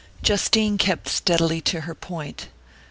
Justine kept steadily to her point.